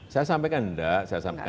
saya sampaikan enggak